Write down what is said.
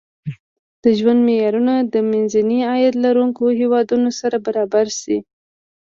د ژوند معیارونه د منځني عاید لرونکو هېوادونو سره برابر شي.